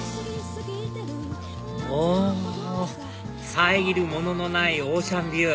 遮るもののないオーシャンビュー！